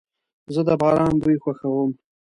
زه د باران بوی خوښوم.